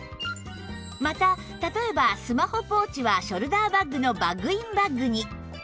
また例えばスマホポーチはショルダーバッグのバッグインバッグに